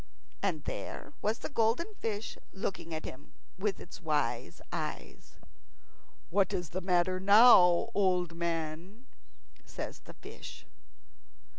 And there was the golden fish looking at him with its wise eyes. "What's the matter now, old man?" says the fish.